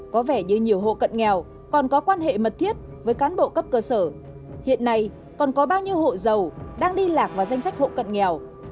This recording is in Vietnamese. có vẻ như nhiều hộ cận nghèo còn có quan hệ mật thiết với cán bộ cấp cơ sở hiện nay còn có bao nhiêu hộ giàu đang đi lạc vào danh sách hộ cận nghèo